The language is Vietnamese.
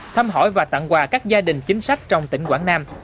thăm hỏi và tặng quà các gia đình chính sách trong tỉnh quảng nam